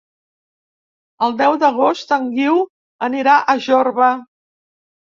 El deu d'agost en Guiu anirà a Jorba.